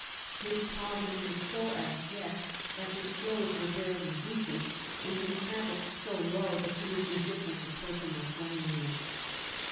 His poverty was so abject that his clothes were barely decent, and his habits so low that he was indifierent to personal cleanliness.